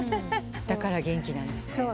だから元気なんですね。